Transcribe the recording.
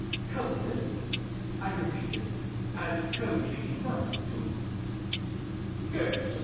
" Coldness ?" I repeated — ^and coldly enough, too. " Yes.